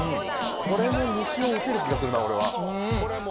これも西を討てる気がするな俺は。